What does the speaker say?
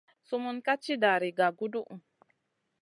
Sumun ka tì dari gaguduhu.